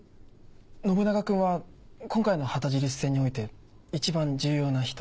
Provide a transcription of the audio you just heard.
信長君は今回の旗印戦において一番重要な人。